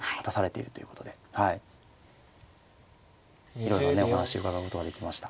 いろんなねお話を伺うことができました。